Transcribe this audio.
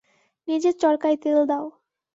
নিজের চড়কায় তেল দাও।